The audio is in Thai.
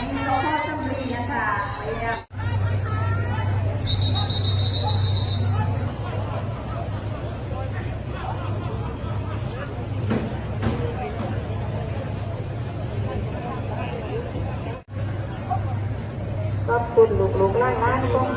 เมื่ออร่อยจะขอบคุณที่พึ่งสมัคร